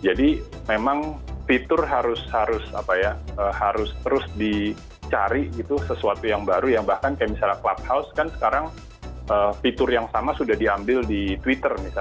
jadi memang fitur harus harus apa ya harus terus dicari gitu sesuatu yang baru yang bahkan kayak misalnya clubhouse kan sekarang fitur yang sama sudah diambil di twitter misalnya